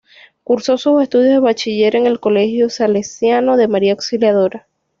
Cursó sus estudios de bachiller en el colegio Salesiano de María Auxiliadora.